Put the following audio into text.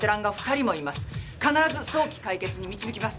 必ず早期解決に導きます。